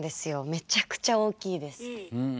めちゃくちゃ大きいです。